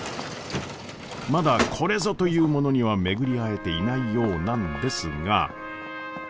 まだこれぞというものには巡り合えていないようなんですが。